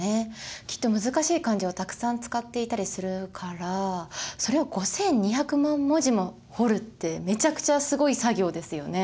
きっと難しい漢字をたくさん使っていたりするからそれを５，２００万文字も彫るってめちゃくちゃすごい作業ですよね。